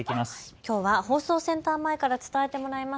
きょうは放送センター前から伝えてもらいます。